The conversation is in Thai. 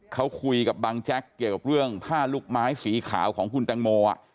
เขาคุยกับบังแจ๊กเกี่ยวกับเรื่องผ้าลูกไม้สีขาวของคุณแตงโม